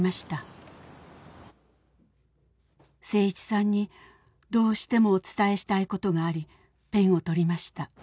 「誠一さんにどうしてもお伝えしたいことがありペンをとりました」